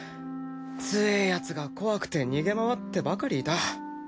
つええヤツが怖くて逃げ回ってばかりいた。